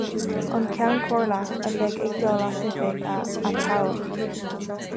An Ceann Comhairle a bheidh ag dul as oifig a atoghadh.